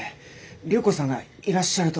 隆子さんがいらっしゃるとは思わず。